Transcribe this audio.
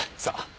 さあ。